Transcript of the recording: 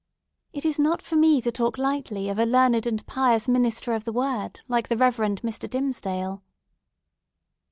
"It is not for me to talk lightly of a learned and pious minister of the Word, like the Reverend Mr. Dimmesdale."